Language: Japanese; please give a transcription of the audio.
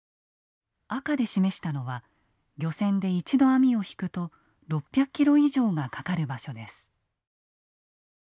赤で示したのは漁船で一度網をひくと６００キロ以上がかかる場所です。